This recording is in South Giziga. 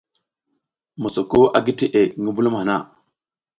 Mosoko a gi teʼe ngi mbulum hana.